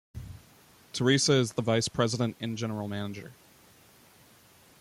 Theresa is the vice president and general manager.